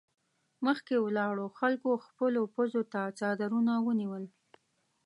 مخکې ولاړو خلکو خپلو پزو ته څادرونه ونيول.